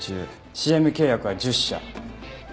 ＣＭ契約は１０社。